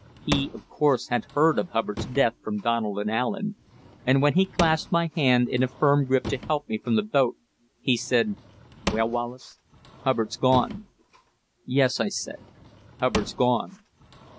He, of course, had heard of Hubbard's death from Donald and Allen, and when he clasped my hand in a firm grip to help me from the boat, he said: "Well, Wallace, Hubbard's gone." "Yes," I said, "Hubbard's gone."